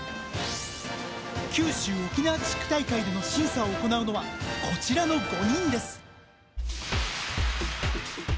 九州沖縄地区大会での審査を行うのはこちらの５人です。